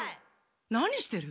何してる？